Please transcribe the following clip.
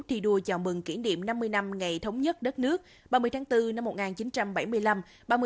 thi đua chào mừng kỷ niệm năm mươi năm ngày thống nhất đất nước ba mươi tháng bốn năm một nghìn chín trăm bảy mươi năm